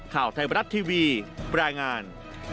ข่าวไทยบรรทัศน์ทีวีปรายงาน